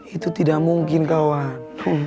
itu tidak mungkin kawan